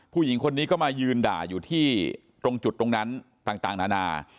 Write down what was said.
ผู้หญิงคนนี้ก็มายืนด่าอยู่ที่ตรงจุดตรงนั้นต่างนานา